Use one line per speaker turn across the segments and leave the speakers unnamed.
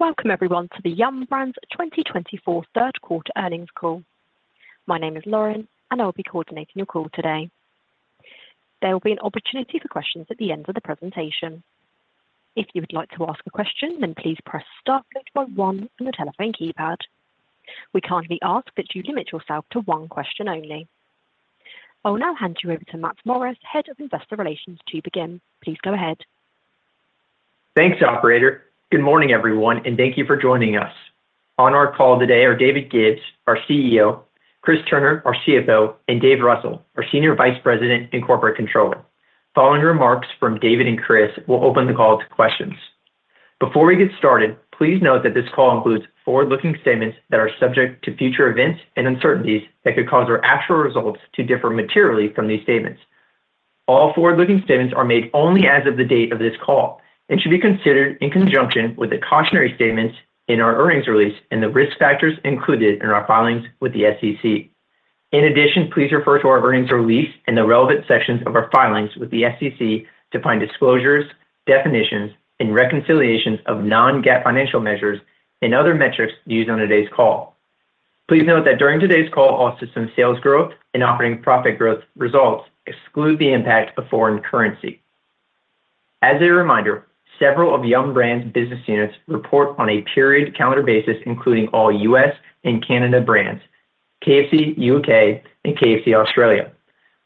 Welcome, everyone, to the Yum! Brands 2024 third quarter earnings call. My name is Lauren, and I will be coordinating your call today. There will be an opportunity for questions at the end of the presentation. If you would like to ask a question, then please press star followed by one on the telephone keypad. We kindly ask that you limit yourself to one question only. I'll now hand you over to Matt Morris, Head of Investor Relations, to begin. Please go ahead.
Thanks, Operator. Good morning, everyone, and thank you for joining us. On our call today are David Gibbs, our CEO, Chris Turner, our CFO, and Dave Russell, our Senior Vice President and Corporate Controller. Following remarks from David and Chris, we'll open the call to questions. Before we get started, please note that this call includes forward-looking statements that are subject to future events and uncertainties that could cause our actual results to differ materially from these statements. All forward-looking statements are made only as of the date of this call and should be considered in conjunction with the cautionary statements in our earnings release and the risk factors included in our filings with the SEC. In addition, please refer to our earnings release and the relevant sections of our filings with the SEC to find disclosures, definitions, and reconciliations of non-GAAP financial measures and other metrics used on today's call. Please note that during today's call, all system sales growth and operating profit growth results exclude the impact of foreign currency. As a reminder, several of Yum! Brands business units report on a period calendar basis, including all U.S. and Canada brands, KFC U.K., and KFC Australia.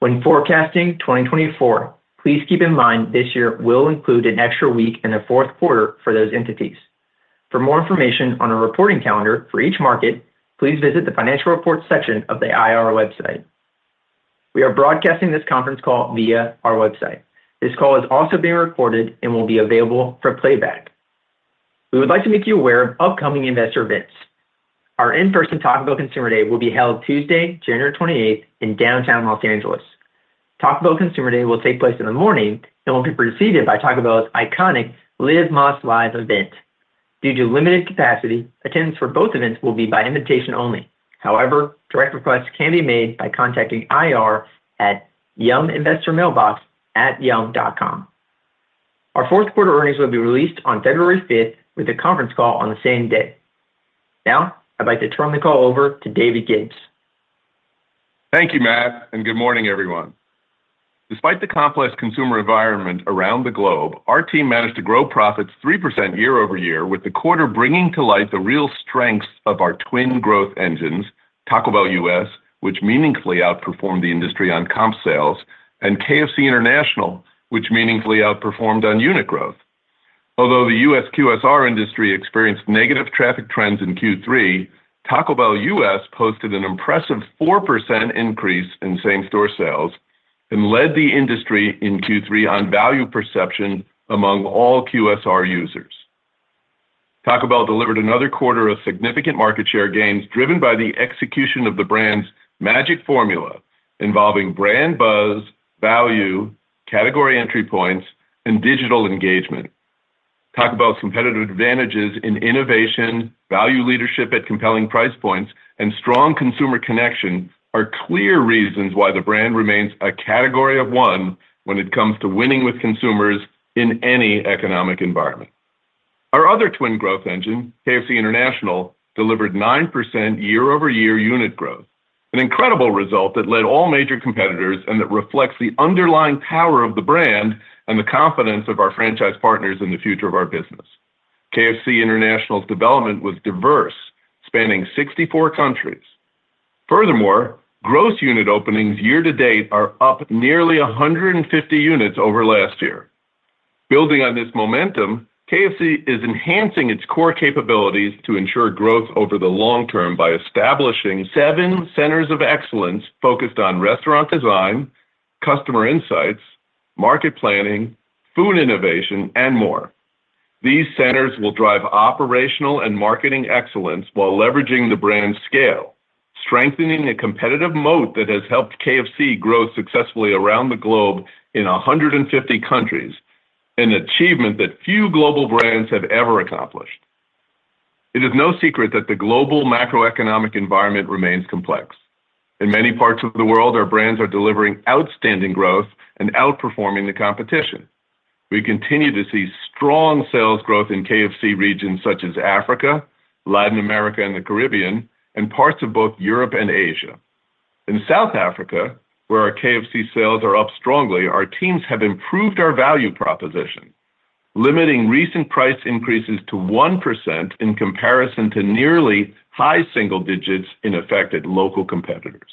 When forecasting 2024, please keep in mind this year will include an extra week in the fourth quarter for those entities. For more information on our reporting calendar for each market, please visit the financial reports section of the IR website. We are broadcasting this conference call via our website. This call is also being recorded and will be available for playback. We would like to make you aware of upcoming investor events. Our in-person Taco Bell Consumer Day will be held Tuesday, January 28th, in downtown Los Angeles. Taco Bell Consumer Day will take place in the morning and will be preceded by Taco Bell's iconic Live Más Live event. Due to limited capacity, attendance for both events will be by invitation only. However, direct requests can be made by contacting IR at investor.mailbox@yum.com. Our fourth quarter earnings will be released on February 5th with a conference call on the same day. Now, I'd like to turn the call over to David Gibbs.
Thank you, Matt, and good morning, everyone. Despite the complex consumer environment around the globe, our team managed to grow profits 3% year over year, with the quarter bringing to light the real strengths of our twin growth engines, Taco Bell U.S., which meaningfully outperformed the industry on comp sales, and KFC International, which meaningfully outperformed on unit growth. Although the U.S. QSR industry experienced negative traffic trends in Q3, Taco Bell U.S. posted an impressive 4% increase in same-store sales and led the industry in Q3 on value perception among all QSR users. Taco Bell delivered another quarter of significant market share gains driven by the execution of the brand's magic formula involving brand buzz, value, category entry points, and digital engagement. Taco Bell's competitive advantages in innovation, value leadership at compelling price points, and strong consumer connection are clear reasons why the brand remains a category of one when it comes to winning with consumers in any economic environment. Our other twin growth engine, KFC International, delivered 9% year-over-year unit growth, an incredible result that led all major competitors and that reflects the underlying power of the brand and the confidence of our franchise partners in the future of our business. KFC International's development was diverse, spanning 64 countries. Furthermore, gross unit openings year to date are up nearly 150 units over last year. Building on this momentum, KFC is enhancing its core capabilities to ensure growth over the long term by establishing seven centers of excellence focused on restaurant design, customer insights, market planning, food innovation, and more. These centers will drive operational and marketing excellence while leveraging the brand's scale, strengthening a competitive moat that has helped KFC grow successfully around the globe in 150 countries, an achievement that few global brands have ever accomplished. It is no secret that the global macroeconomic environment remains complex. In many parts of the world, our brands are delivering outstanding growth and outperforming the competition. We continue to see strong sales growth in KFC regions such as Africa, Latin America, and the Caribbean, and parts of both Europe and Asia. In South Africa, where our KFC sales are up strongly, our teams have improved our value proposition, limiting recent price increases to 1% in comparison to nearly high single digits in effect at local competitors.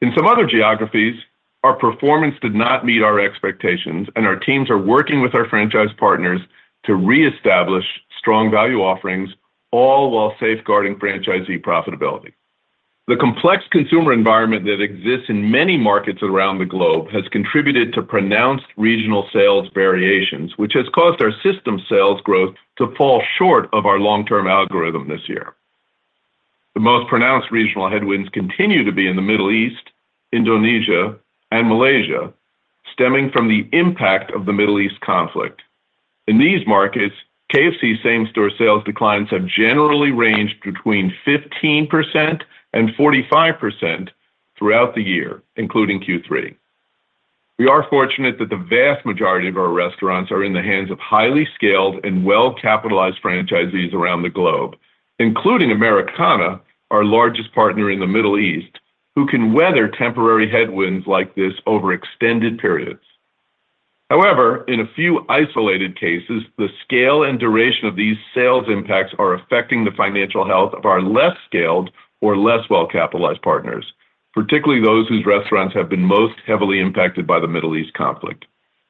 In some other geographies, our performance did not meet our expectations, and our teams are working with our franchise partners to reestablish strong value offerings, all while safeguarding franchisee profitability. The complex consumer environment that exists in many markets around the globe has contributed to pronounced regional sales variations, which has caused our system sales growth to fall short of our long-term algorithm this year. The most pronounced regional headwinds continue to be in the Middle East, Indonesia, and Malaysia, stemming from the impact of the Middle East conflict. In these markets, KFC's same-store sales declines have generally ranged between 15% and 45% throughout the year, including Q3. We are fortunate that the vast majority of our restaurants are in the hands of highly scaled and well-capitalized franchisees around the globe, including Americana, our largest partner in the Middle East, who can weather temporary headwinds like this over extended periods. However, in a few isolated cases, the scale and duration of these sales impacts are affecting the financial health of our less scaled or less well-capitalized partners, particularly those whose restaurants have been most heavily impacted by the Middle East conflict.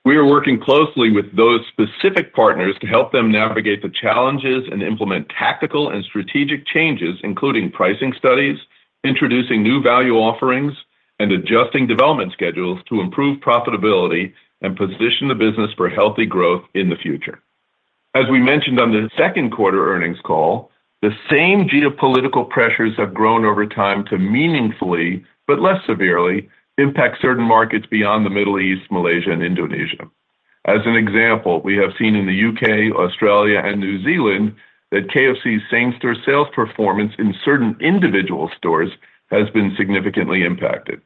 We are working closely with those specific partners to help them navigate the challenges and implement tactical and strategic changes, including pricing studies, introducing new value offerings, and adjusting development schedules to improve profitability and position the business for healthy growth in the future. As we mentioned on the second quarter earnings call, the same geopolitical pressures have grown over time to meaningfully, but less severely, impact certain markets beyond the Middle East, Malaysia, and Indonesia. As an example, we have seen in the U.K., Australia, and New Zealand that KFC's same-store sales performance in certain individual stores has been significantly impacted.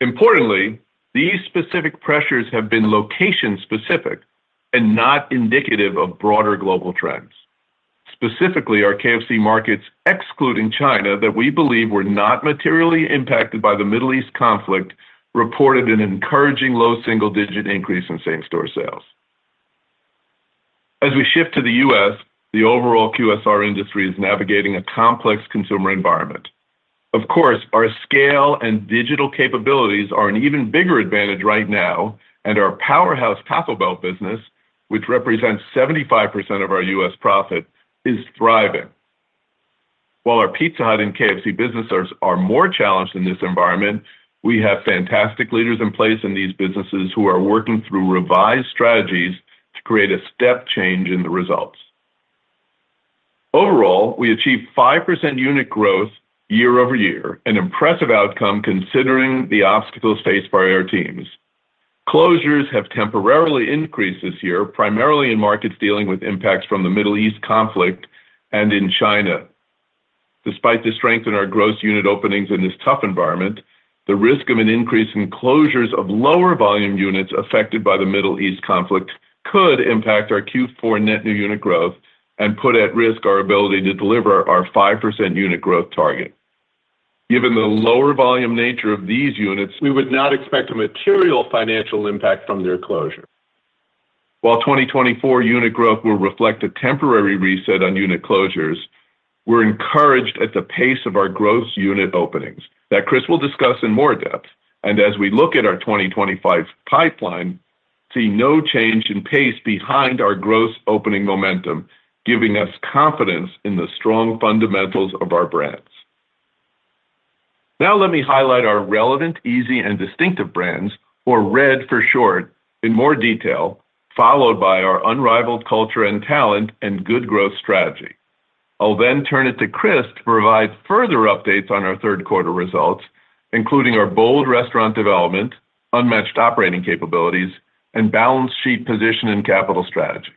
Importantly, these specific pressures have been location-specific and not indicative of broader global trends. Specifically, our KFC markets, excluding China, that we believe were not materially impacted by the Middle East conflict reported an encouraging low single-digit increase in same-store sales. As we shift to the U.S., the overall QSR industry is navigating a complex consumer environment. Of course, our scale and digital capabilities are an even bigger advantage right now, and our powerhouse Taco Bell business, which represents 75% of our U.S. profit, is thriving. While our Pizza Hut and KFC businesses are more challenged in this environment, we have fantastic leaders in place in these businesses who are working through revised strategies to create a step change in the results. Overall, we achieved 5% unit growth year over year, an impressive outcome considering the obstacles faced by our teams. Closures have temporarily increased this year, primarily in markets dealing with impacts from the Middle East conflict and in China. Despite the strength in our gross unit openings in this tough environment, the risk of an increase in closures of lower volume units affected by the Middle East conflict could impact our Q4 net new unit growth and put at risk our ability to deliver our 5% unit growth target. Given the lower volume nature of these units, we would not expect a material financial impact from their closure. While 2024 unit growth will reflect a temporary reset on unit closures, we're encouraged at the pace of our gross unit openings that Chris will discuss in more depth, and as we look at our 2025 pipeline, see no change in pace behind our gross opening momentum, giving us confidence in the strong fundamentals of our brands. Now, let me highlight our relevant, easy, and distinctive brands, or R.E.D. for short, in more detail, followed by our unrivaled culture and talent and Good Growth strategy. I'll then turn it to Chris to provide further updates on our third quarter results, including our bold restaurant development, unmatched operating capabilities, and balance sheet position and capital strategy.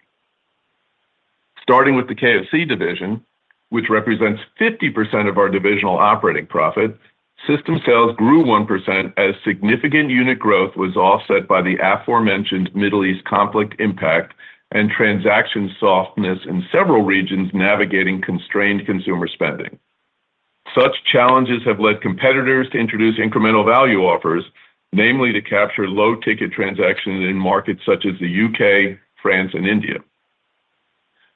Starting with the KFC division, which represents 50% of our divisional operating profit, system sales grew 1% as significant unit growth was offset by the aforementioned Middle East conflict impact and transaction softness in several regions navigating constrained consumer spending. Such challenges have led competitors to introduce incremental value offers, namely to capture low-ticket transactions in markets such as the U.K., France, and India.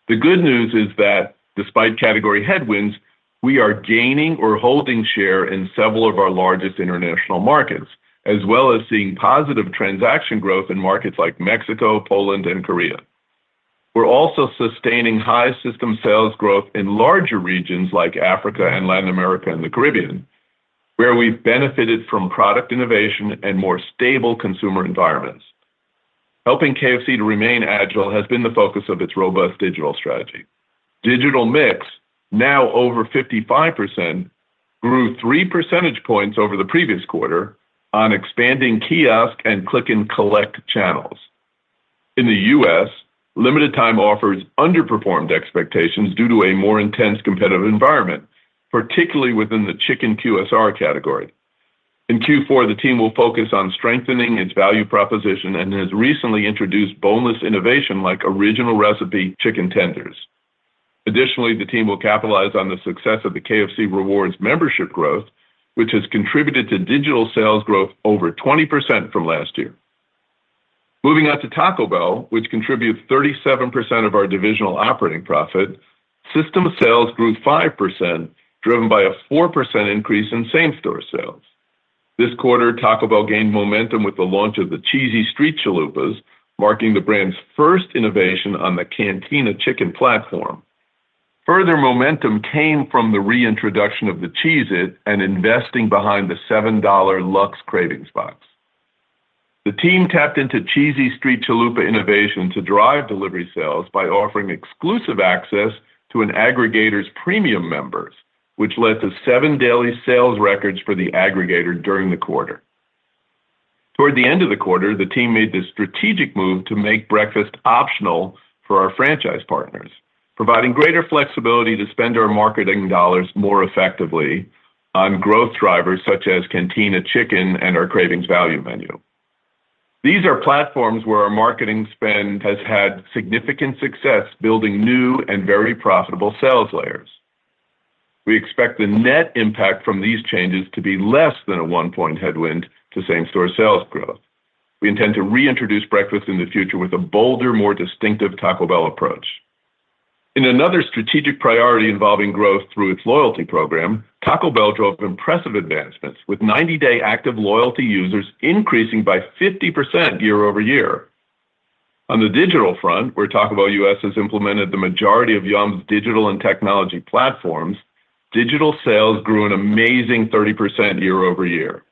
The good news is that despite category headwinds, we are gaining or holding share in several of our largest international markets, as well as seeing positive transaction growth in markets like Mexico, Poland, and Korea. We're also sustaining high system sales growth in larger regions like Africa and Latin America and the Caribbean, where we've benefited from product innovation and more stable consumer environments. Helping KFC to remain agile has been the focus of its robust digital strategy. Digital mix, now over 55%, grew 3 percentage points over the previous quarter on expanding kiosk and click-and-collect channels. In the U.S., limited-time offers underperformed expectations due to a more intense competitive environment, particularly within the chicken QSR category. In Q4, the team will focus on strengthening its value proposition and has recently introduced boneless innovation like Original Recipe Chicken Tenders. Additionally, the team will capitalize on the success of the KFC Rewards membership growth, which has contributed to digital sales growth over 20% from last year. Moving on to Taco Bell, which contributes 37% of our divisional operating profit, system sales grew 5%, driven by a 4% increase in same-store sales. This quarter, Taco Bell gained momentum with the launch of the Cheesy Street Chalupas, marking the brand's first innovation on the Cantina Chicken platform. Further momentum came from the reintroduction of the Cheez-It and investing behind the $7 Luxe Cravings Box. The team tapped into Cheesy Street Chalupa innovation to drive delivery sales by offering exclusive access to an aggregator's premium members, which led to seven daily sales records for the aggregator during the quarter. Toward the end of the quarter, the team made the strategic move to make breakfast optional for our franchise partners, providing greater flexibility to spend our marketing dollars more effectively on growth drivers such as Cantina Chicken and our Cravings Value Menu. These are platforms where our marketing spend has had significant success, building new and very profitable sales layers. We expect the net impact from these changes to be less than a one-point headwind to same-store sales growth. We intend to reintroduce breakfast in the future with a bolder, more distinctive Taco Bell approach. In another strategic priority involving growth through its loyalty program, Taco Bell drove impressive advancements, with 90-day active loyalty users increasing by 50% year over year. On the digital front, where Taco Bell U.S. has implemented the majority of Yum!'s digital and technology platforms, digital sales grew an amazing 30% year over year.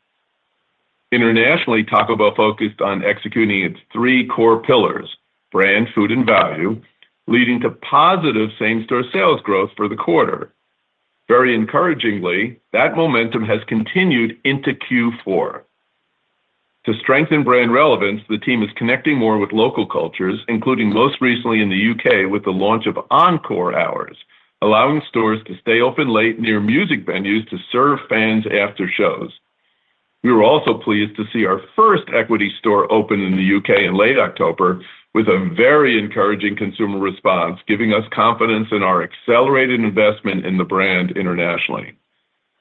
Internationally, Taco Bell focused on executing its three core pillars: brand, food, and value, leading to positive same-store sales growth for the quarter. Very encouragingly, that momentum has continued into Q4. To strengthen brand relevance, the team is connecting more with local cultures, including most recently in the U.K. with the launch of Encore Hours, allowing stores to stay open late near music venues to serve fans after shows. We were also pleased to see our first equity store open in the U.K. in late October, with a very encouraging consumer response, giving us confidence in our accelerated investment in the brand internationally.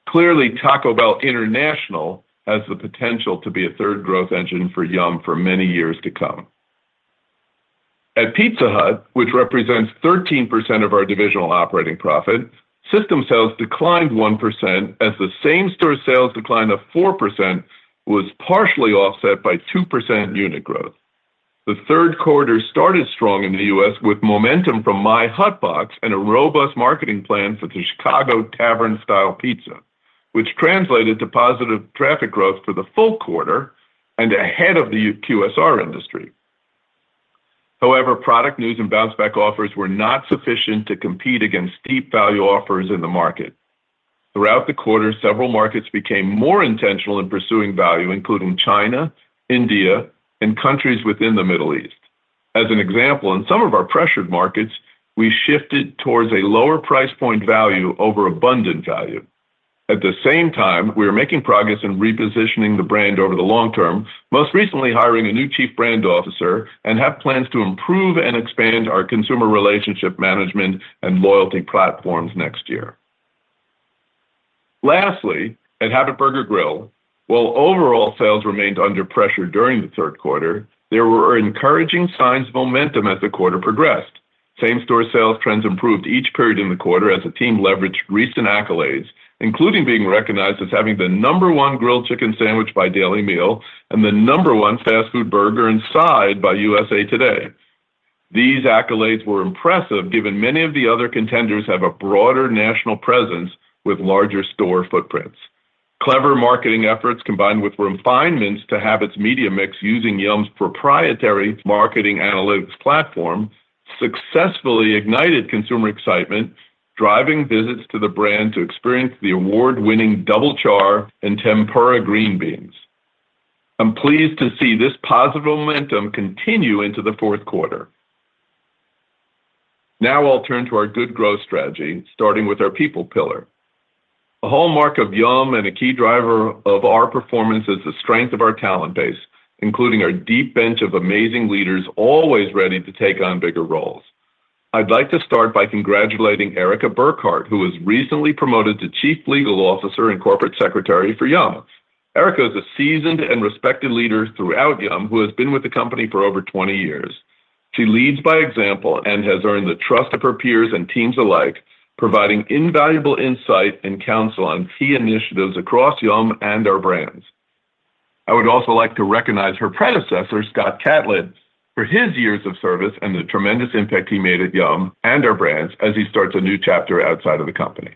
Clearly, Taco Bell International has the potential to be a third growth engine for Yum! for many years to come. At Pizza Hut, which represents 13% of our divisional operating profit, system sales declined 1% as the same-store sales decline of 4% was partially offset by 2% unit growth. The third quarter started strong in the U.S. with momentum from My Hut Box and a robust marketing plan for the Chicago Tavern-Style Pizza, which translated to positive traffic growth for the full quarter and ahead of the QSR industry. However, product news and bounce-back offers were not sufficient to compete against deep value offers in the market. Throughout the quarter, several markets became more intentional in pursuing value, including China, India, and countries within the Middle East. As an example, in some of our pressured markets, we shifted towards a lower price point value over abundant value. At the same time, we are making progress in repositioning the brand over the long term, most recently hiring a new chief brand officer and have plans to improve and expand our consumer relationship management and loyalty platforms next year. Lastly, at The Habit Burger Grill, while overall sales remained under pressure during the third quarter, there were encouraging signs of momentum as the quarter progressed. Same-store sales trends improved each period in the quarter as the team leveraged recent accolades, including being recognized as having the number one grilled chicken sandwich by The Daily Meal and the number one fast food burger by USA Today. These accolades were impressive, given many of the other contenders have a broader national presence with larger store footprints. Clever marketing efforts combined with refinements to Habit's media mix using Yum!'s proprietary marketing analytics platform successfully ignited consumer excitement, driving visits to the brand to experience the award-winning Double Char and Tempura Green Beans. I'm pleased to see this positive momentum continue into the fourth quarter. Now I'll turn to our good growth strategy, starting with our people pillar. A hallmark of Yum! and a key driver of our performance is the strength of our talent base, including our deep bench of amazing leaders always ready to take on bigger roles. I'd like to start by congratulating Erica Burkhart, who was recently promoted to Chief Legal Officer and Corporate Secretary for Yum!. Erica is a seasoned and respected leader throughout Yum! who has been with the company for over 20 years. She leads by example and has earned the trust of her peers and teams alike, providing invaluable insight and counsel on key initiatives across Yum! and our brands. I would also like to recognize her predecessor, Scott Catlett, for his years of service and the tremendous impact he made at Yum! and our brands as he starts a new chapter outside of the company.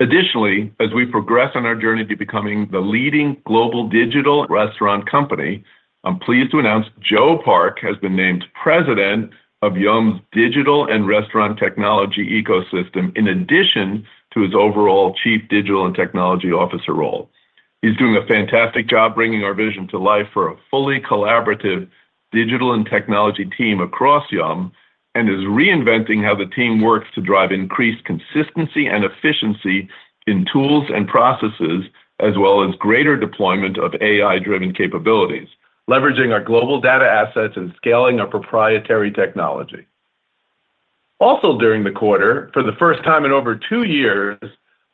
Additionally, as we progress on our journey to becoming the leading global digital restaurant company, I'm pleased to announce Joe Park has been named president of Yum!'s digital and restaurant technology ecosystem, in addition to his overall Chief Digital and Technology Officer role. He's doing a fantastic job bringing our vision to life for a fully collaborative digital and technology team across Yum! and is reinventing how the team works to drive increased consistency and efficiency in tools and processes, as well as greater deployment of AI-driven capabilities, leveraging our global data assets and scaling our proprietary technology. Also, during the quarter, for the first time in over two years,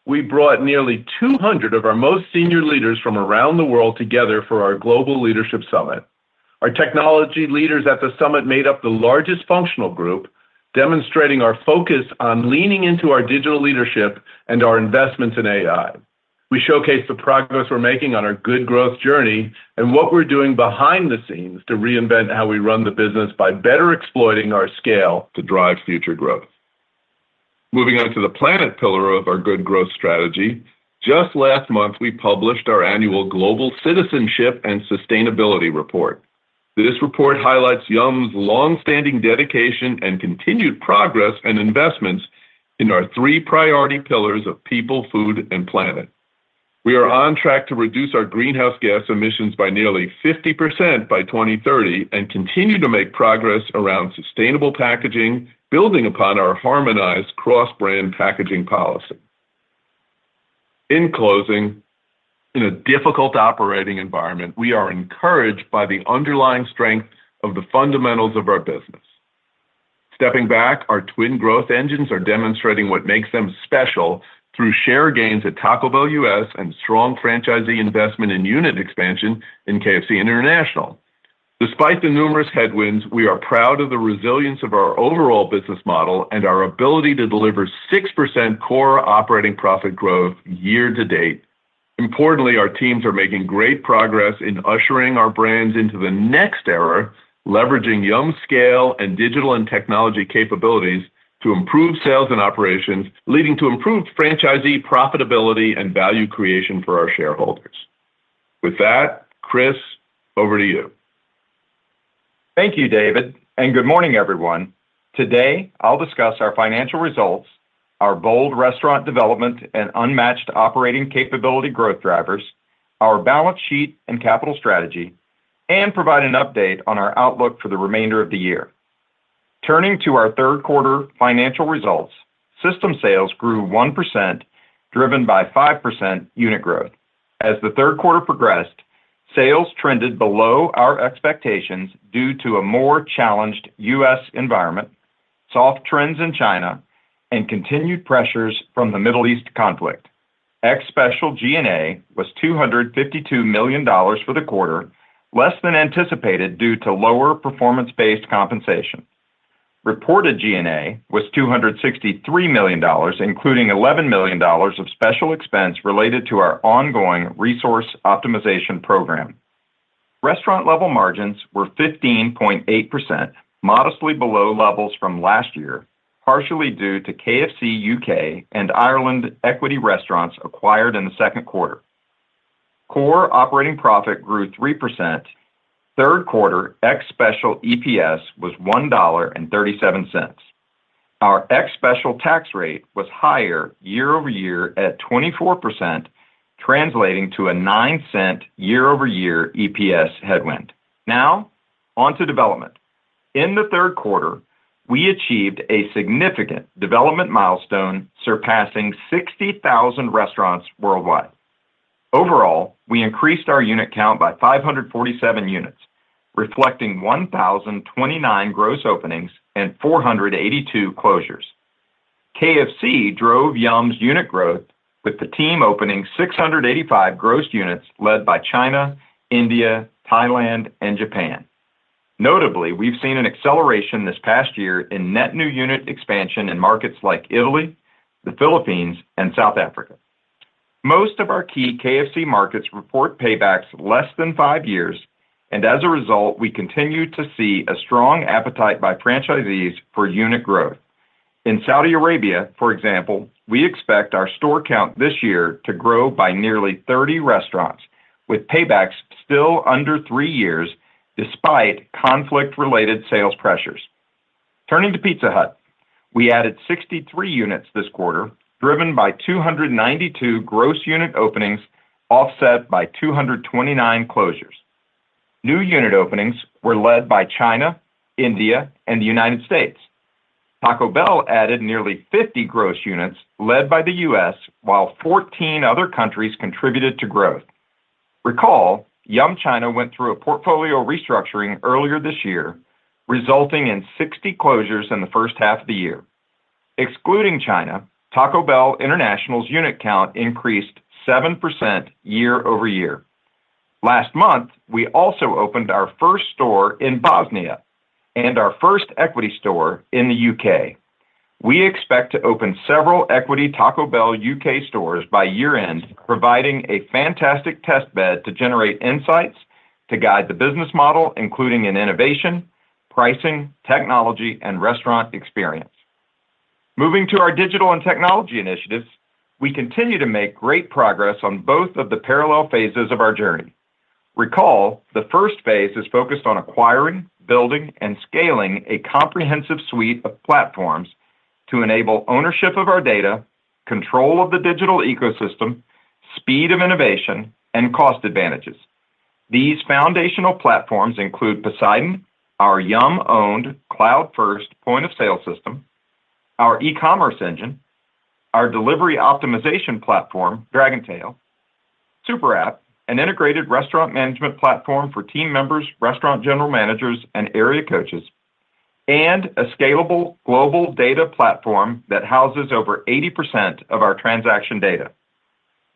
we brought nearly 200 of our most senior leaders from around the world together for our Global Leadership Summit. Our technology leaders at the summit made up the largest functional group, demonstrating our focus on leaning into our digital leadership and our investments in AI. We showcased the progress we're making on our Good Growth journey and what we're doing behind the scenes to reinvent how we run the business by better exploiting our scale to drive future growth. Moving on to the planet pillar of our Good Growth strategy, just last month, we published our annual Global Citizenship and Sustainability Report. This report highlights Yum!'s long-standing dedication and continued progress and investments in our three priority pillars of people, food, and planet. We are on track to reduce our greenhouse gas emissions by nearly 50% by 2030 and continue to make progress around sustainable packaging, building upon our harmonized cross-brand packaging policy. In closing, in a difficult operating environment, we are encouraged by the underlying strength of the fundamentals of our business. Stepping back, our twin growth engines are demonstrating what makes them special through share gains at Taco Bell U.S. and strong franchisee investment in unit expansion in KFC International. Despite the numerous headwinds, we are proud of the resilience of our overall business model and our ability to deliver 6% core operating profit growth year to date. Importantly, our teams are making great progress in ushering our brands into the next era, leveraging Yum! scale and digital and technology capabilities to improve sales and operations, leading to improved franchisee profitability and value creation for our shareholders. With that, Chris, over to you.
Thank you, David, and good morning, everyone. Today, I'll discuss our financial results, our bold restaurant development and unmatched operating capability growth drivers, our balance sheet and capital strategy, and provide an update on our outlook for the remainder of the year. Turning to our third quarter financial results, system sales grew 1%, driven by 5% unit growth. As the third quarter progressed, sales trended below our expectations due to a more challenged U.S. environment, soft trends in China, and continued pressures from the Middle East conflict. Ex-special G&A was $252 million for the quarter, less than anticipated due to lower performance-based compensation. Reported G&A was $263 million, including $11 million of special expense related to our ongoing resource optimization program. Restaurant-level margins were 15.8%, modestly below levels from last year, partially due to KFC U.K. and Ireland equity restaurants acquired in the second quarter. Core operating profit grew 3%. Third quarter, ex-special EPS was $1.37. Our ex-special tax rate was higher year over year at 24%, translating to a $0.09 year over year EPS headwind. Now, on to development. In the third quarter, we achieved a significant development milestone, surpassing 60,000 restaurants worldwide. Overall, we increased our unit count by 547 units, reflecting 1,029 gross openings and 482 closures. KFC drove Yum!'s unit growth, with the team opening 685 gross units led by China, India, Thailand, and Japan. Notably, we've seen an acceleration this past year in net new unit expansion in markets like Italy, the Philippines, and South Africa. Most of our key KFC markets report paybacks less than five years, and as a result, we continue to see a strong appetite by franchisees for unit growth. In Saudi Arabia, for example, we expect our store count this year to grow by nearly 30 restaurants, with paybacks still under three years despite conflict-related sales pressures. Turning to Pizza Hut, we added 63 units this quarter, driven by 292 gross unit openings offset by 229 closures. New unit openings were led by China, India, and the United States. Taco Bell added nearly 50 gross units led by the U.S., while 14 other countries contributed to growth. Recall, Yum! China went through a portfolio restructuring earlier this year, resulting in 60 closures in the first half of the year. Excluding China, Taco Bell International's unit count increased 7% year over year. Last month, we also opened our first store in Bosnia and our first equity store in the U.K. We expect to open several equity Taco Bell U.K. stores by year-end, providing a fantastic testbed to generate insights to guide the business model, including in innovation, pricing, technology, and restaurant experience. Moving to our digital and technology initiatives, we continue to make great progress on both of the parallel phases of our journey. Recall, the first phase is focused on acquiring, building, and scaling a comprehensive suite of platforms to enable ownership of our data, control of the digital ecosystem, speed of innovation, and cost advantages. These foundational platforms include Poseidon, our Yum!-owned cloud-first point-of-sale system, our e-commerce engine, our delivery optimization platform, Dragontail, SuperApp, an integrated restaurant management platform for team members, restaurant general managers, and area coaches, and a scalable global data platform that houses over 80% of our transaction data.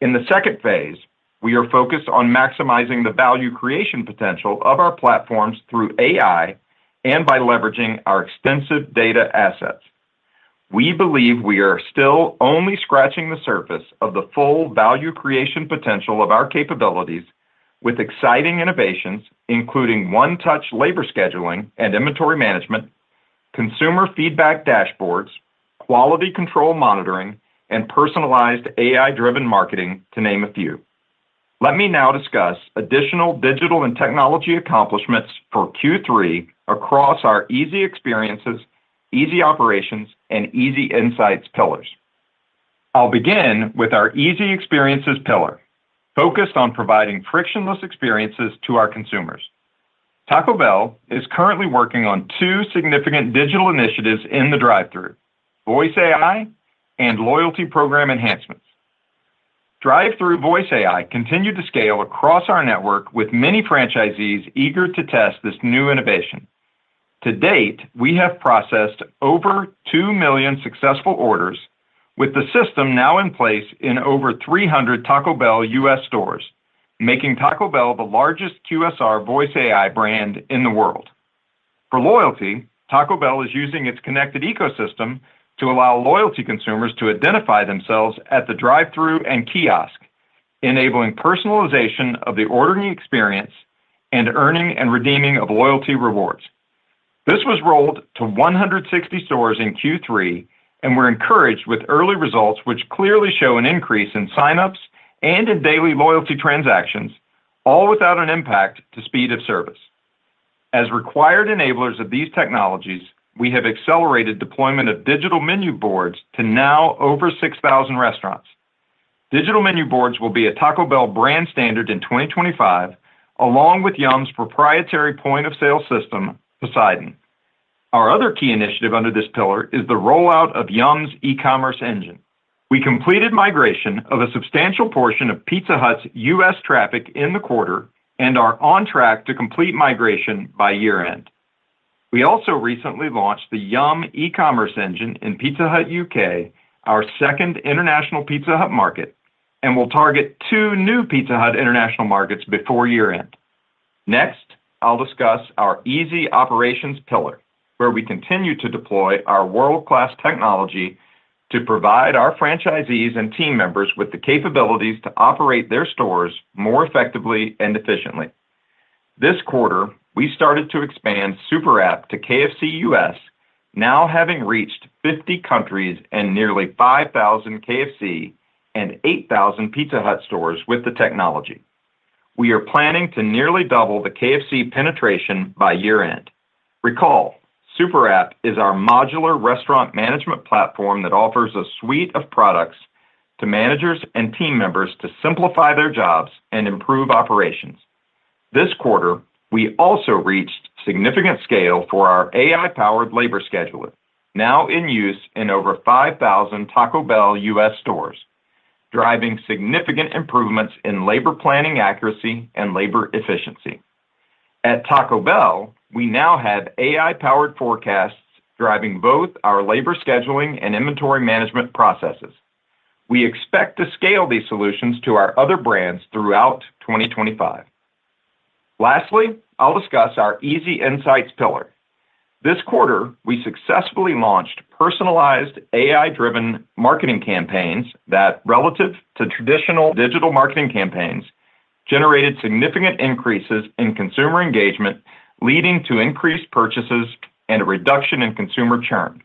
In the second phase, we are focused on maximizing the value creation potential of our platforms through AI and by leveraging our extensive data assets. We believe we are still only scratching the surface of the full value creation potential of our capabilities with exciting innovations, including one-touch labor scheduling and inventory management, consumer feedback dashboards, quality control monitoring, and personalized AI-driven marketing, to name a few. Let me now discuss additional digital and technology accomplishments for Q3 across our Easy Experiences, Easy Operations, and Easy Insights pillars. I'll begin with our Easy Experiences pillar, focused on providing frictionless experiences to our consumers. Taco Bell is currently working on two significant digital initiatives in the drive-through, Voice AI and loyalty program enhancements. Drive-through Voice AI continued to scale across our network, with many franchisees eager to test this new innovation. To date, we have processed over 2 million successful orders, with the system now in place in over 300 Taco Bell U.S. stores, making Taco Bell the largest QSR Voice AI brand in the world. For loyalty, Taco Bell is using its connected ecosystem to allow loyalty consumers to identify themselves at the drive-through and kiosk, enabling personalization of the ordering experience and earning and redeeming of loyalty rewards. This was rolled to 160 stores in Q3 and we're encouraged with early results, which clearly show an increase in sign-ups and in daily loyalty transactions, all without an impact to speed of service. As required enablers of these technologies, we have accelerated deployment of digital menu boards to now over 6,000 restaurants. Digital menu boards will be a Taco Bell brand standard in 2025, along with Yum!'s proprietary point-of-sale system, Poseidon. Our other key initiative under this pillar is the rollout of Yum!'s e-commerce engine. We completed migration of a substantial portion of Pizza Hut's U.S. traffic in the quarter and are on track to complete migration by year-end. We also recently launched the Yum! e-commerce engine in Pizza Hut U.K., our second international Pizza Hut market, and will target two new Pizza Hut international markets before year-end. Next, I'll discuss our Easy Operations pillar, where we continue to deploy our world-class technology to provide our franchisees and team members with the capabilities to operate their stores more effectively and efficiently. This quarter, we started to expand Super App to KFC U.S., now having reached 50 countries and nearly 5,000 KFC and 8,000 Pizza Hut stores with the technology. We are planning to nearly double the KFC penetration by year-end. Recall, Super App is our modular restaurant management platform that offers a suite of products to managers and team members to simplify their jobs and improve operations. This quarter, we also reached significant scale for our AI-powered labor scheduler, now in use in over 5,000 Taco Bell U.S. stores, driving significant improvements in labor planning accuracy and labor efficiency. At Taco Bell, we now have AI-powered forecasts driving both our labor scheduling and inventory management processes. We expect to scale these solutions to our other brands throughout 2025. Lastly, I'll discuss our Easy Insights pillar. This quarter, we successfully launched personalized AI-driven marketing campaigns that, relative to traditional digital marketing campaigns, generated significant increases in consumer engagement, leading to increased purchases and a reduction in consumer churn.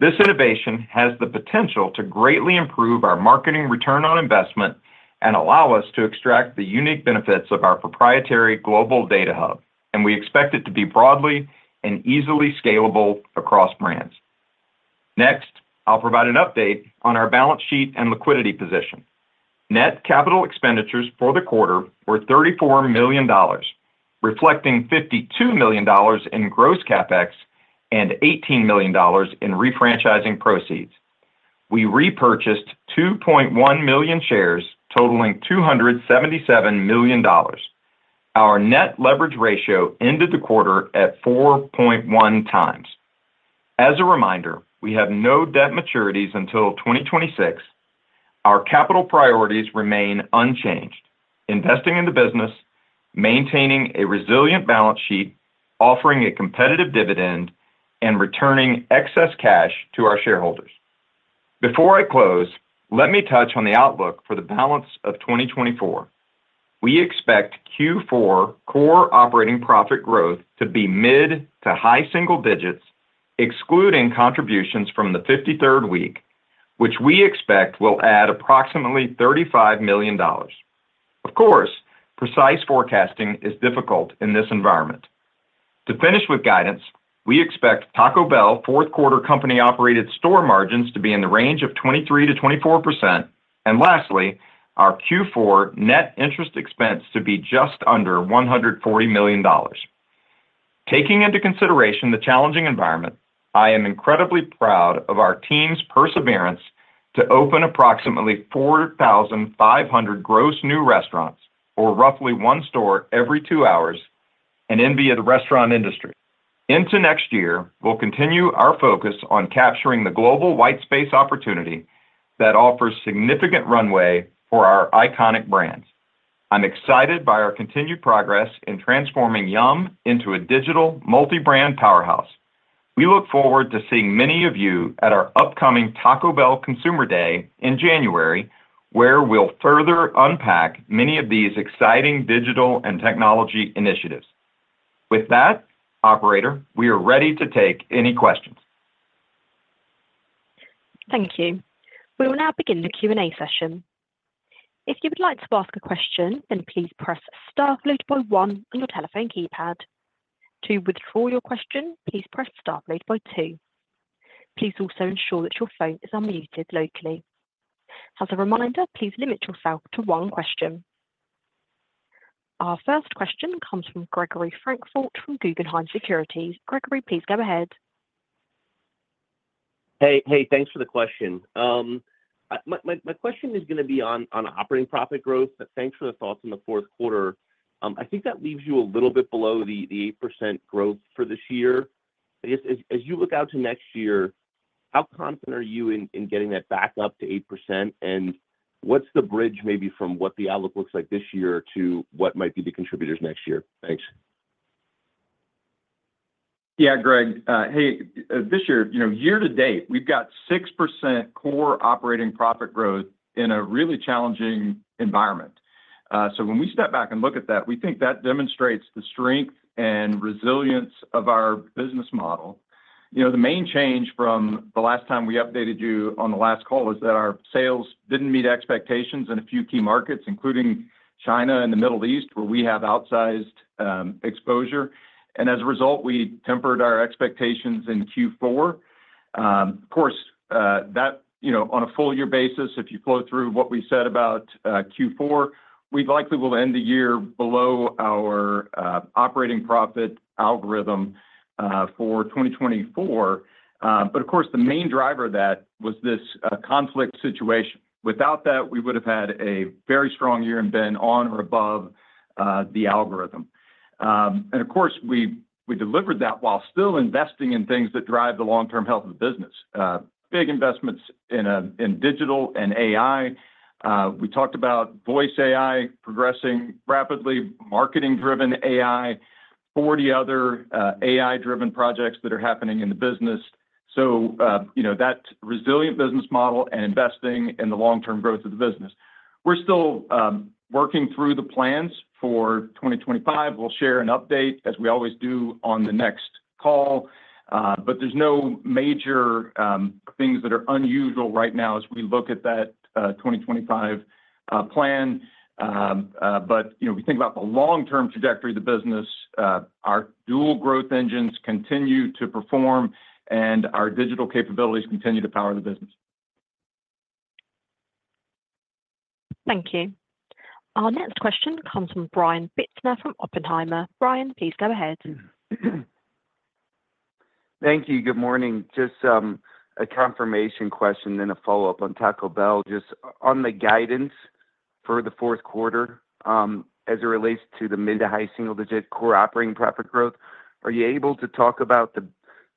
This innovation has the potential to greatly improve our marketing return on investment and allow us to extract the unique benefits of our proprietary global data hub, and we expect it to be broadly and easily scalable across brands. Next, I'll provide an update on our balance sheet and liquidity position. Net capital expenditures for the quarter were $34 million, reflecting $52 million in gross CapEx and $18 million in refranchising proceeds. We repurchased 2.1 million shares, totaling $277 million. Our net leverage ratio ended the quarter at 4.1 times. As a reminder, we have no debt maturities until 2026. Our capital priorities remain unchanged: investing in the business, maintaining a resilient balance sheet, offering a competitive dividend, and returning excess cash to our shareholders. Before I close, let me touch on the outlook for the balance of 2024. We expect Q4 core operating profit growth to be mid to high single digits, excluding contributions from the 53rd week, which we expect will add approximately $35 million. Of course, precise forecasting is difficult in this environment. To finish with guidance, we expect Taco Bell's fourth quarter company-operated store margins to be in the range of 23%-24%, and lastly, our Q4 net interest expense to be just under $140 million. Taking into consideration the challenging environment, I am incredibly proud of our team's perseverance to open approximately 4,500 gross new restaurants, or roughly one store every two hours, and in the restaurant industry. Into next year, we'll continue our focus on capturing the global white space opportunity that offers significant runway for our iconic brands. I'm excited by our continued progress in transforming Yum! into a digital multi-brand powerhouse. We look forward to seeing many of you at our upcoming Taco Bell Consumer Day in January, where we'll further unpack many of these exciting digital and technology initiatives. With that, Operator, we are ready to take any questions.
Thank you. We will now begin the Q&A session. If you would like to ask a question, then please press star, then one on your telephone keypad. To withdraw your question, please press star, then two. Please also ensure that your phone is unmuted locally. As a reminder, please limit yourself to one question. Our first question comes from Gregory Francfort from Guggenheim Securities. Gregory, please go ahead.
Hey, hey, thanks for the question. My question is going to be on operating profit growth, but thanks for the thoughts on the fourth quarter. I think that leaves you a little bit below the 8% growth for this year. I guess as you look out to next year, how confident are you in getting that back up to 8%, and what's the bridge maybe from what the outlook looks like this year to what might be the contributors next year? Thanks.
Yeah, Greg, hey, this year, you know, year to date, we've got 6% core operating profit growth in a really challenging environment. So when we step back and look at that, we think that demonstrates the strength and resilience of our business model. You know, the main change from the last time we updated you on the last call is that our sales didn't meet expectations in a few key markets, including China and the Middle East, where we have outsized exposure, and as a result, we tempered our expectations in Q4. Of course, that, you know, on a full year basis, if you flow through what we said about Q4, we likely will end the year below our operating profit algorithm for 2024, but of course, the main driver of that was this conflict situation. Without that, we would have had a very strong year and been on or above the algorithm. And of course, we delivered that while still investing in things that drive the long-term health of the business. Big investments in digital and AI. We talked about Voice AI progressing rapidly, marketing-driven AI, 40 other AI-driven projects that are happening in the business. So, you know, that resilient business model and investing in the long-term growth of the business. We're still working through the plans for 2025. We'll share an update, as we always do, on the next call. But there's no major things that are unusual right now as we look at that 2025 plan. But you know, we think about the long-term trajectory of the business. Our dual growth engines continue to perform, and our digital capabilities continue to power the business.
Thank you. Our next question comes from Brian Bittner from Oppenheimer. Brian, please go ahead.
Thank you. Good morning. Just a confirmation question and a follow-up on Taco Bell. Just on the guidance for the fourth quarter, as it relates to the mid to high single-digit core operating profit growth, are you able to talk about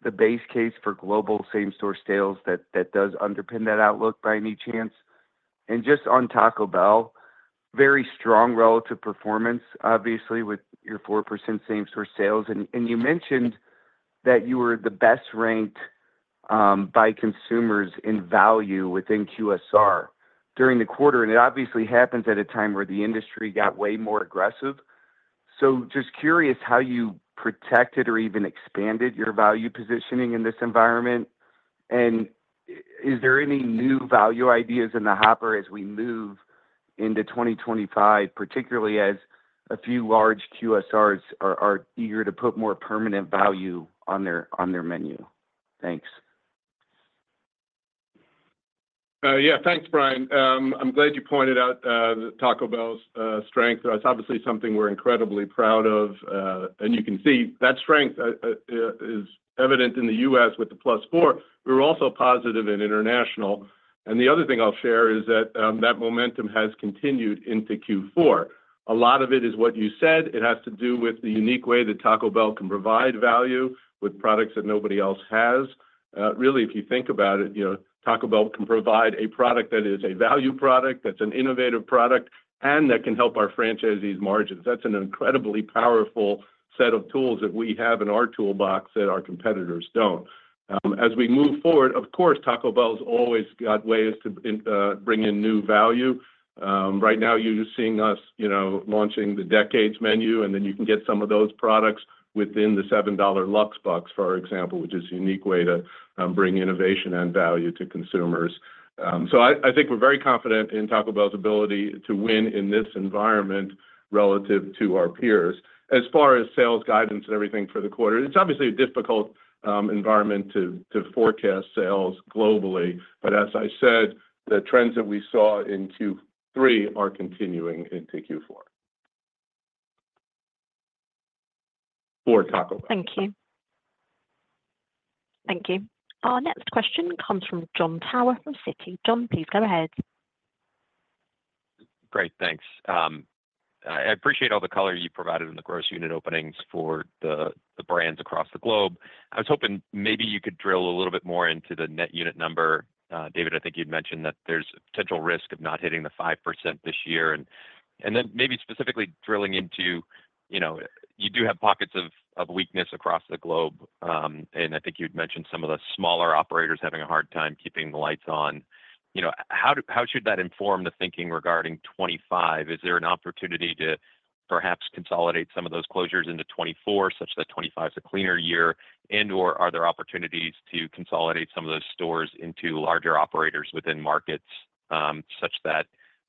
the base case for global same-store sales that does underpin that outlook by any chance? And just on Taco Bell, very strong relative performance, obviously, with your 4% same-store sales. And you mentioned that you were the best ranked by consumers in value within QSR during the quarter. And it obviously happens at a time where the industry got way more aggressive. So just curious how you protected or even expanded your value positioning in this environment. And is there any new value ideas in the hopper as we move into 2025, particularly as a few large QSRs are eager to put more permanent value on their menu? Thanks.
Yeah, thanks, Brian. I'm glad you pointed out Taco Bell's strength. That's obviously something we're incredibly proud of. And you can see that strength is evident in the U.S. with the plus four. We were also positive in international. And the other thing I'll share is that momentum has continued into Q4. A lot of it is what you said. It has to do with the unique way that Taco Bell can provide value with products that nobody else has. Really, if you think about it, you know, Taco Bell can provide a product that is a value product, that's an innovative product, and that can help our franchisees' margins. That's an incredibly powerful set of tools that we have in our toolbox that our competitors don't. As we move forward, of course, Taco Bell's always got ways to bring in new value. Right now, you're just seeing us, you know, launching the Decades Menu, and then you can get some of those products within the $7 Luxe box, for example, which is a unique way to bring innovation and value to consumers. So I think we're very confident in Taco Bell's ability to win in this environment relative to our peers. As far as sales guidance and everything for the quarter, it's obviously a difficult environment to forecast sales globally, but as I said, the trends that we saw in Q3 are continuing into Q4 for Taco Bell.
Thank you. Thank you. Our next question comes from Jon Tower from Citi. John, please go ahead.
Great, thanks. I appreciate all the color you provided in the gross unit openings for the brands across the globe. I was hoping maybe you could drill a little bit more into the net unit number. David, I think you'd mentioned that there's a potential risk of not hitting the 5% this year. And then maybe specifically drilling into, you know, you do have pockets of weakness across the globe. And I think you'd mentioned some of the smaller operators having a hard time keeping the lights on. You know, how should that inform the thinking regarding 2025? Is there an opportunity to perhaps consolidate some of those closures into 2024, such that 2025 is a cleaner year? And/or are there opportunities to consolidate some of those stores into larger operators within markets, such that,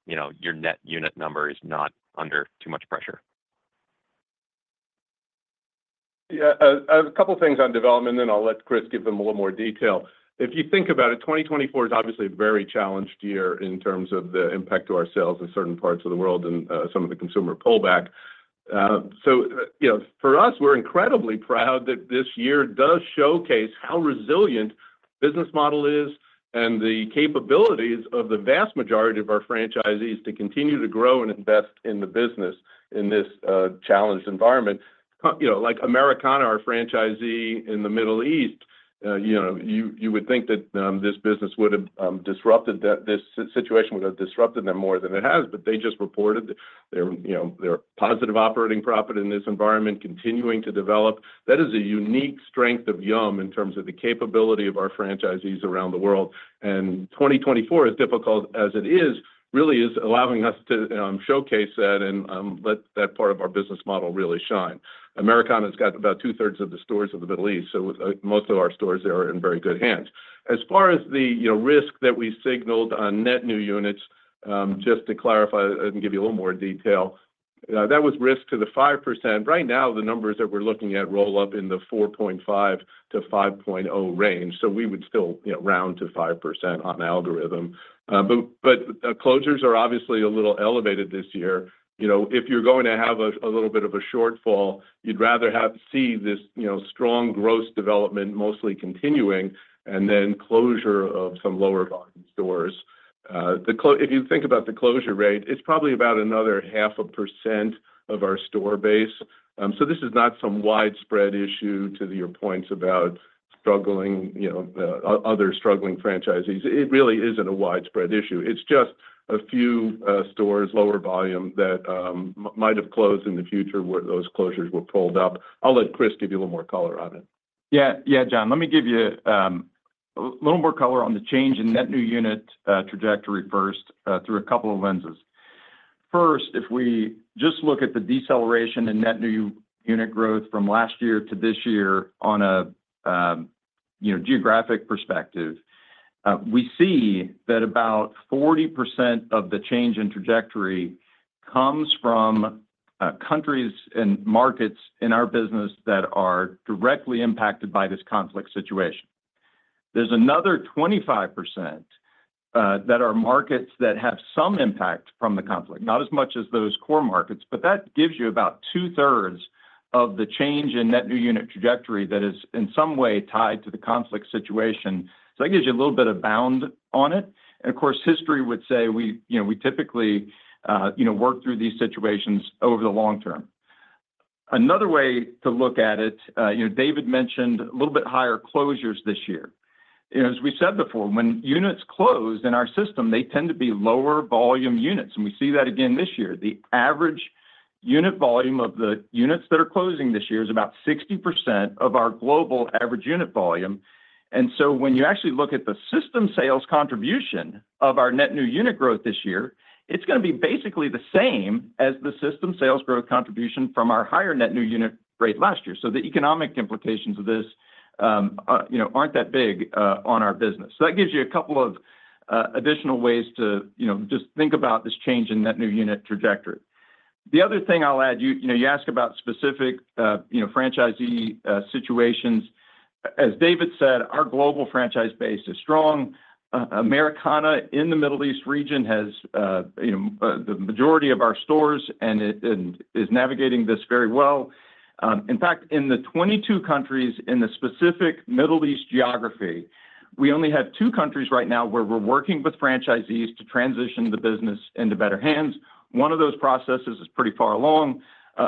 you know, your net unit number is not under too much pressure?
Yeah, a couple of things on development, then I'll let Chris give them a little more detail. If you think about it, 2024 is obviously a very challenged year in terms of the impact to our sales in certain parts of the world and some of the consumer pullback. So, you know, for us, we're incredibly proud that this year does showcase how resilient the business model is and the capabilities of the vast majority of our franchisees to continue to grow and invest in the business in this challenged environment. You know, like Americana, our franchisee in the Middle East, you know, you would think that this situation would have disrupted them more than it has, but they just reported their, you know, their positive operating profit in this environment continuing to develop. That is a unique strength of Yum! In terms of the capability of our franchisees around the world. And 2024, as difficult as it is, really is allowing us to showcase that and let that part of our business model really shine. Americana has got about two-thirds of the stores of the Middle East, so most of our stores there are in very good hands. As far as the, you know, risk that we signaled on net new units, just to clarify and give you a little more detail, that was risk to the 5%. Right now, the numbers that we're looking at roll up in the 4.5%-5.0% range, so we would still, you know, round to 5% on algorithm. But closures are obviously a little elevated this year. You know, if you're going to have a little bit of a shortfall, you'd rather have to see this, you know, strong gross development mostly continuing and then closure of some lower volume stores. If you think about the closure rate, it's probably about another 0.5% of our store base. So this is not some widespread issue to your points about struggling, you know, other struggling franchisees. It really isn't a widespread issue. It's just a few stores lower volume that might have closed in the future where those closures were pulled up. I'll let Chris give you a little more color on it.
Yeah, yeah, John, let me give you a little more color on the change in net new unit trajectory first, through a couple of lenses. First, if we just look at the deceleration in net new unit growth from last year to this year on a, you know, geographic perspective, we see that about 40% of the change in trajectory comes from countries and markets in our business that are directly impacted by this conflict situation. There's another 25% that are markets that have some impact from the conflict, not as much as those core markets, but that gives you about two-thirds of the change in net new unit trajectory that is in some way tied to the conflict situation. So that gives you a little bit of bound on it, and of course, history would say we, you know, we typically, you know, work through these situations over the long term. Another way to look at it, you know, David mentioned a little bit higher closures this year. You know, as we said before, when units close in our system, they tend to be lower volume units. And we see that again this year. The average unit volume of the units that are closing this year is about 60% of our global average unit volume. And so when you actually look at the system sales contribution of our net new unit growth this year, it's going to be basically the same as the system sales growth contribution from our higher net new unit rate last year. So the economic implications of this, you know, aren't that big, on our business. So that gives you a couple of, additional ways to, you know, just think about this change in net new unit trajectory. The other thing I'll add, you know, you ask about specific, you know, franchisee, situations. As David said, our global franchise base is strong. Americana in the Middle East region has, you know, the majority of our stores and it is navigating this very well. In fact, in the 22 countries in the specific Middle East geography, we only have two countries right now where we're working with franchisees to transition the business into better hands. One of those processes is pretty far along.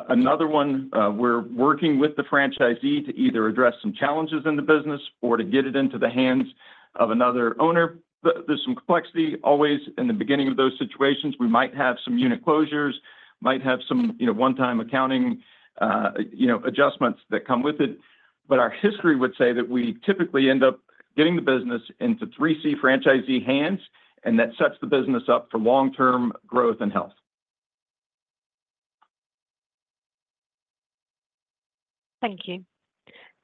Another one, we're working with the franchisee to either address some challenges in the business or to get it into the hands of another owner. There's some complexity always in the beginning of those situations. We might have some unit closures, might have some, you know, one-time accounting, you know, adjustments that come with it. But our history would say that we typically end up getting the business into 3C franchisee hands, and that sets the business up for long-term growth and health.
Thank you.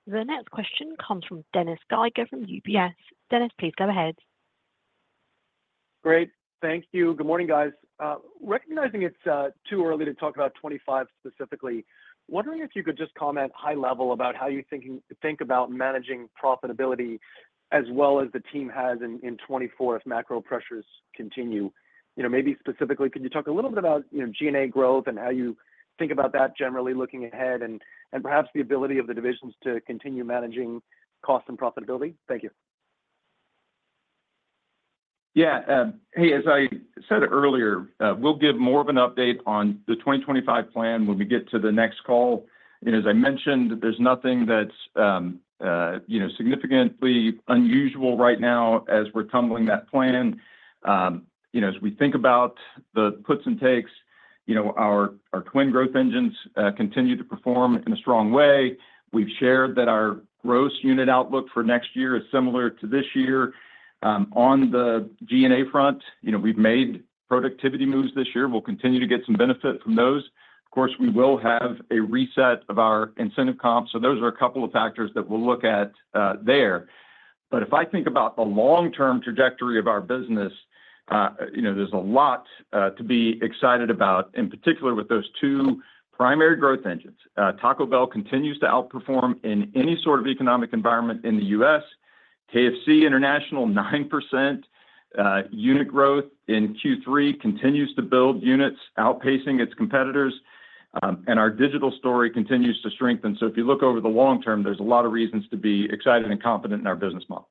The next question comes from Dennis Geiger from UBS. Dennis, please go ahead.
Great, thank you. Good morning, guys. Recognizing it's too early to talk about 2025 specifically, wondering if you could just comment high level about how you think about managing profitability as well as the team has in 2024 if macro pressures continue. You know, maybe specifically, could you talk a little bit about, you know, G&A growth and how you think about that generally looking ahead and perhaps the ability of the divisions to continue managing cost and profitability? Thank you.
Yeah, hey, as I said earlier, we'll give more of an update on the 2025 plan when we get to the next call. And as I mentioned, there's nothing that's, you know, significantly unusual right now as we're building that plan. You know, as we think about the puts and takes, you know, our twin growth engines continue to perform in a strong way. We've shared that our gross unit outlook for next year is similar to this year. On the G&A front, you know, we've made productivity moves this year. We'll continue to get some benefit from those. Of course, we will have a reset of our incentive comp. So those are a couple of factors that we'll look at there. But if I think about the long-term trajectory of our business, you know, there's a lot to be excited about, in particular with those two primary growth engines. Taco Bell continues to outperform in any sort of economic environment in the U.S. KFC International 9% unit growth in Q3 continues to build units outpacing its competitors, and our digital story continues to strengthen. So if you look over the long term, there's a lot of reasons to be excited and confident in our business model.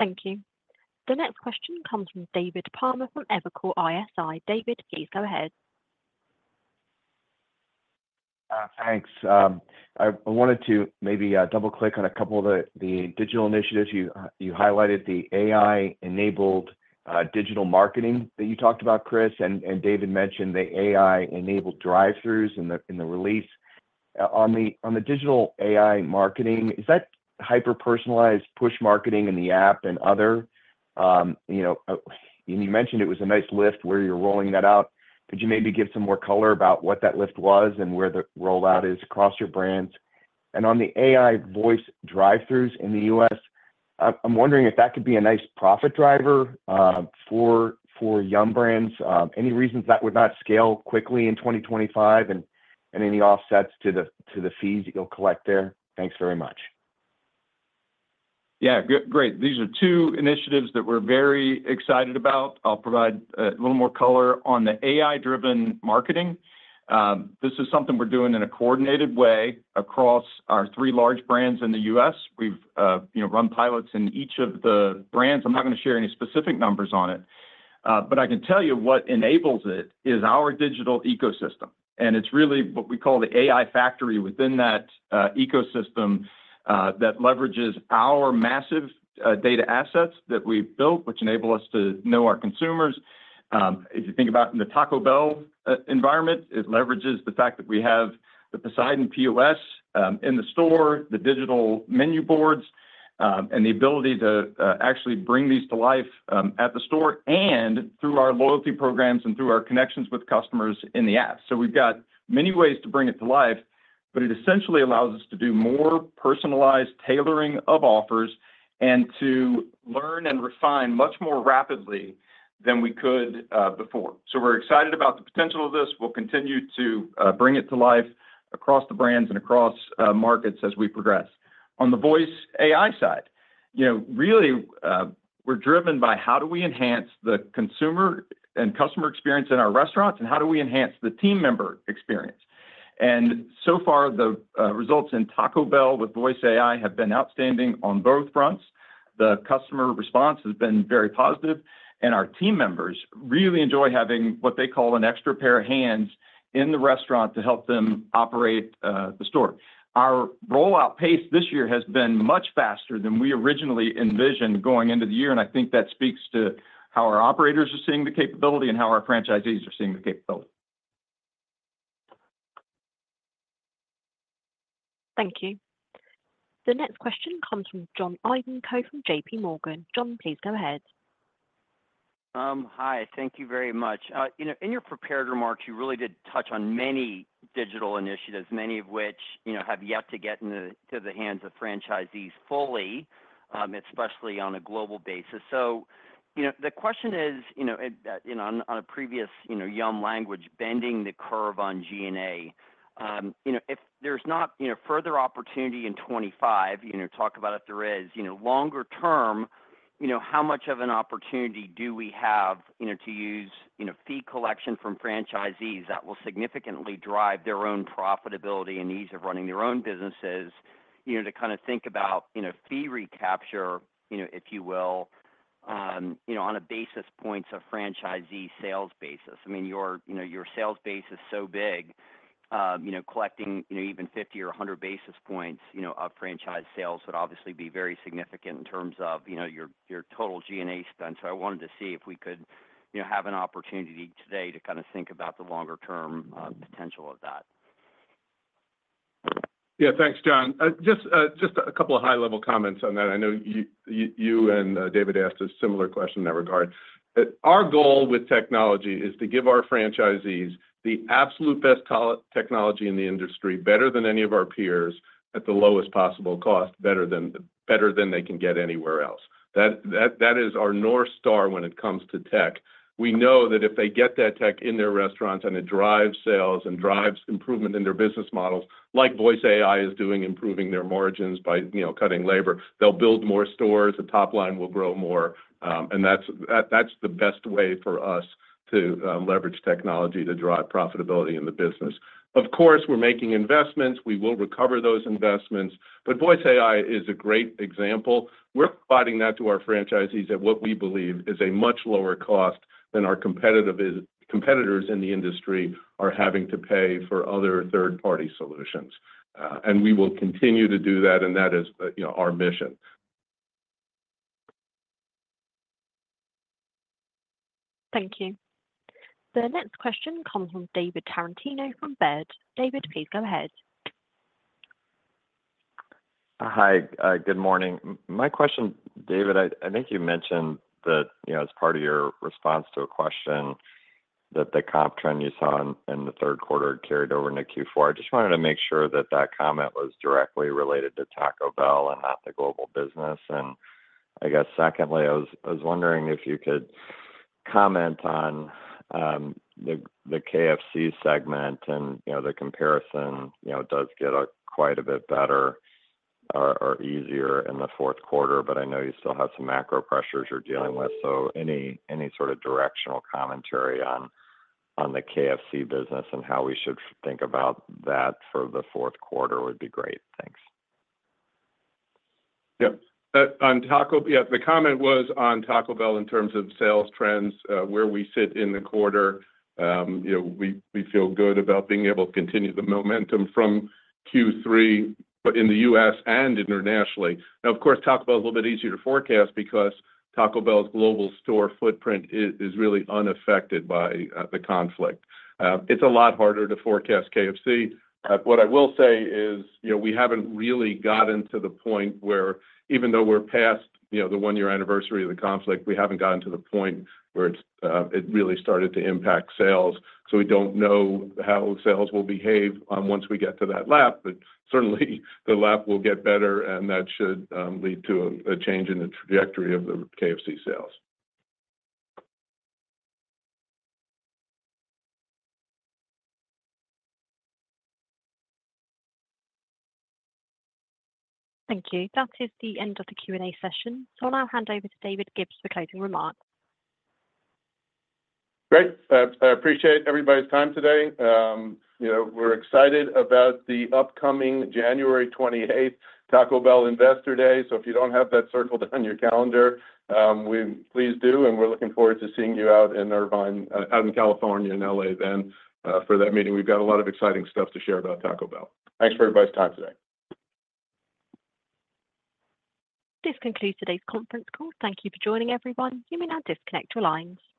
Thank you. The next question comes from David Palmer from Evercore ISI. David, please go ahead.
Thanks. I wanted to maybe double-click on a couple of the digital initiatives you highlighted, the AI-enabled digital marketing that you talked about, Chris, and David mentioned the AI-enabled drive-throughs in the release. On the digital AI marketing, is that hyper-personalized push marketing in the app and other, you know, and you mentioned it was a nice lift where you're rolling that out. Could you maybe give some more color about what that lift was and where the rollout is across your brands? And on the AI voice drive-throughs in the U.S., I'm wondering if that could be a nice profit driver for Yum! Brands. Any reasons that would not scale quickly in 2025 and any offsets to the to the fees that you'll collect there? Thanks very much.
Yeah, great. These are two initiatives that we're very excited about. I'll provide a little more color on the AI-driven marketing. This is something we're doing in a coordinated way across our three large brands in the U.S. We've, you know, run pilots in each of the brands. I'm not going to share any specific numbers on it. But I can tell you what enables it is our digital ecosystem. And it's really what we call the AI Factory within that ecosystem that leverages our massive data assets that we've built, which enable us to know our consumers. If you think about in the Taco Bell environment, it leverages the fact that we have the Poseidon POS in the store, the digital menu boards, and the ability to actually bring these to life at the store and through our loyalty programs and through our connections with customers in the app. So we've got many ways to bring it to life, but it essentially allows us to do more personalized tailoring of offers and to learn and refine much more rapidly than we could before. So we're excited about the potential of this. We'll continue to bring it to life across the brands and across markets as we progress. On the voice AI side, you know, really, we're driven by how do we enhance the consumer and customer experience in our restaurants and how do we enhance the team member experience. And so far, the results in Taco Bell with Voice AI have been outstanding on both fronts. The customer response has been very positive, and our team members really enjoy having what they call an extra pair of hands in the restaurant to help them operate the store. Our rollout pace this year has been much faster than we originally envisioned going into the year, and I think that speaks to how our operators are seeing the capability and how our franchisees are seeing the capability.
Thank you. The next question comes from John Ivankoe from JP Morgan. John, please go ahead.
Hi, thank you very much. You know, in your prepared remarks, you really did touch on many digital initiatives, many of which, you know, have yet to get into the hands of franchisees fully, especially on a global basis. So, you know, the question is, you know, on a previous, you know, Yum! language, bending the curve on G&A, you know, if there's not, you know, further opportunity in 2025, you know, talk about if there is, you know, longer term, you know, how much of an opportunity do we have, you know, to use, you know, fee collection from franchisees that will significantly drive their own profitability and ease of running their own businesses, you know, to kind of think about, you know, fee recapture, you know, if you will, you know, on a basis points of franchisee sales basis. I mean, your, you know, your sales base is so big, you know, collecting, you know, even 50 or 100 basis points, you know, of franchise sales would obviously be very significant in terms of, you know, your total G&A spend. So I wanted to see if we could, you know, have an opportunity today to kind of think about the longer-term potential of that.
Yeah, thanks, John. Just a couple of high-level comments on that. I know you and David asked a similar question in that regard. Our goal with technology is to give our franchisees the absolute best technology in the industry, better than any of our peers at the lowest possible cost, better than they can get anywhere else. That is our North Star when it comes to tech. We know that if they get that tech in their restaurants and it drives sales and drives improvement in their business models, like Voice AI is doing, improving their margins by, you know, cutting labor, they'll build more stores, the top line will grow more. That's the best way for us to leverage technology to drive profitability in the business. Of course, we're making investments. We will recover those investments. But Voice AI is a great example. We're providing that to our franchisees at what we believe is a much lower cost than our competitive competitors in the industry are having to pay for other third-party solutions. And we will continue to do that. And that is, you know, our mission.
Thank you. The next question comes from David Tarantino from Baird. David, please go ahead.
Hi, good morning. My question, David. I think you mentioned that, you know, as part of your response to a question that the comp trend you saw in the third quarter carried over into Q4. I just wanted to make sure that comment was directly related to Taco Bell and not the global business. And I guess secondly, I was wondering if you could comment on the KFC segment and, you know, the comparison, you know, does get quite a bit better or easier in the fourth quarter, but I know you still have some macro pressures you're dealing with. So any sort of directional commentary on the KFC business and how we should think about that for the fourth quarter would be great. Thanks.
Yeah, on Taco, yeah, the comment was on Taco Bell in terms of sales trends, where we sit in the quarter. You know, we feel good about being able to continue the momentum from Q3, but in the U.S. and internationally. Now, of course, Taco Bell is a little bit easier to forecast because Taco Bell's global store footprint is really unaffected by the conflict. It's a lot harder to forecast KFC. What I will say is, you know, we haven't really gotten to the point where, even though we're past, you know, the one-year anniversary of the conflict, we haven't gotten to the point where it's really started to impact sales. So we don't know how sales will behave once we get to that lap. But certainly, the lap will get better, and that should lead to a change in the trajectory of the KFC sales.
Thank you. That is the end of the Q&A session. So I'll now hand over to David Gibbs for closing remarks.
Great. I appreciate everybody's time today. You know, we're excited about the upcoming January 28th Taco Bell Investor Day. So if you don't have that circled on your calendar, we please do. And we're looking forward to seeing you out in Irvine, out in California and LA then for that meeting. We've got a lot of exciting stuff to share about Taco Bell. Thanks for everybody's time today.
This concludes today's conference call. Thank you for joining, everyone. You may now disconnect your lines.